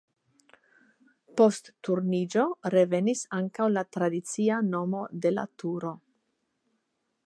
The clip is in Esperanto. Post Turniĝo revenis ankaŭ la tradicia nomo de la turo.